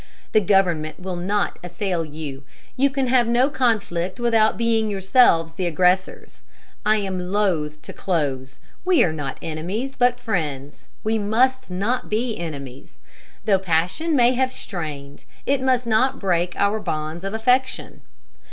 The government will not assail you. You can have no conflict without being yourselves the aggressors.... I am loath to close. We are not enemies, but friends. We must not be enemies. Though passion may have strained, it must not break our bonds of affection.